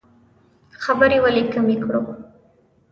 خبرې ولې کمې کړو؟